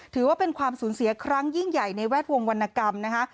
ถือว่าเป็นความสูญเสียครั้งยิ่งใหญ่ในแวดวงวรรณกรรมนะคะ